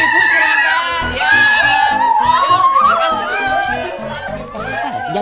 pengen kan ya makasih baca baca